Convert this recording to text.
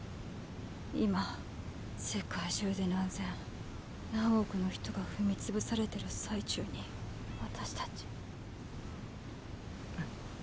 今世界中で何千何億の人が踏み潰されてる最中に私たち。